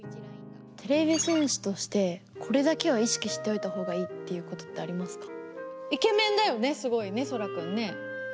てれび戦士としてこれだけはいしきしておいたほうがいいっていうことってありますか？